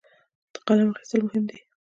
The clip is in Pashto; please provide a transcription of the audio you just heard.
د قلم اخیستل مهم دي.